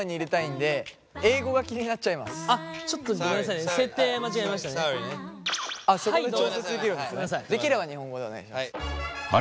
できれば日本語でお願いします。